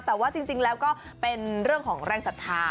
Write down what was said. แต่ว่าจริงแล้วก็เป็นเรื่องของแรงศรัทธา